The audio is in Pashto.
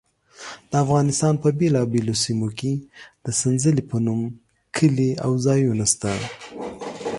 د افغانستان په بېلابېلو سیمو کې د سنځلې په نوم کلي او ځایونه شته.